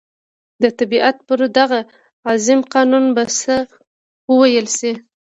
د طبعیت پر دغه عظیم قانون به څه وویل شي.